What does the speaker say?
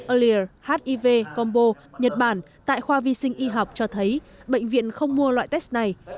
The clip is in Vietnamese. alirev combo nhật bản tại khoa vi sinh y học cho thấy bệnh viện không mua loại test này